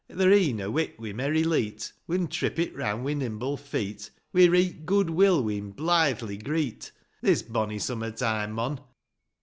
Their e'en are wick wi' merry leet ; We'n trip it round wi' nimble feet ; With reet good will we'n blithely greet This bonny summer time, mon!